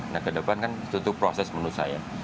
nah kedepan kan itu proses menurut saya